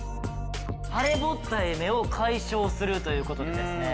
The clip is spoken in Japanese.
腫れぼったい目を解消するという事でですね